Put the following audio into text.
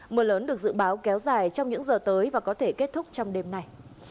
mưa lớn được dự báo kéo dài trong những giờ tới và có thể kết thúc trong đêm nay